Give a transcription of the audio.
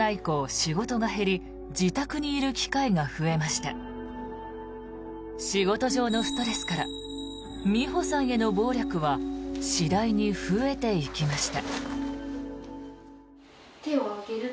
仕事上のストレスからみほさんへの暴力は次第に増えていきました。